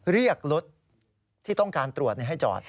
เรียกรถที่ต้องการตรวจให้จอด